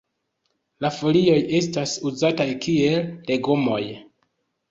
La folioj estas uzataj kiel legomoj.